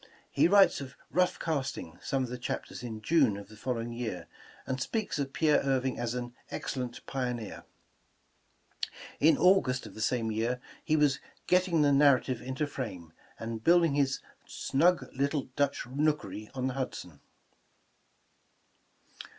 He writes of '' rough casting '' some of the chapters in June of the following year, and speaks of Pierre Irving as an excellent pioneer." In August of the same year, he was ''getting the narrative into frame," and build ing his ''snug little Dutch nookery" on the Hudson.